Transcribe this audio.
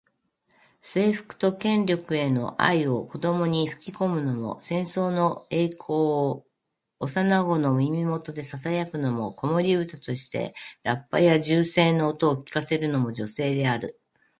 征服と権力への愛を子どもに吹き込むのも、戦争の栄光を幼子の耳元でささやくのも、子守唄としてラッパや銃声の音を聞かせるのも女性である。